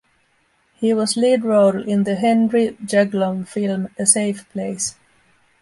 He was lead role in the Henry Jaglom film 'A Safe Place'.